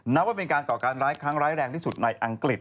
นับว่าเป็นการก่อการร้ายครั้งร้ายแรงที่สุดในอังกฤษ